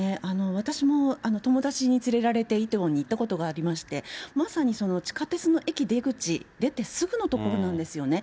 私も友達に連れられてイテウォンに行ったことがありまして、まさに地下鉄の駅出口出てすぐの所なんですよね。